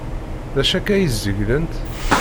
D acu akka ay zeglent?